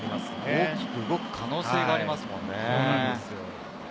大きく動く可能性がありますよね。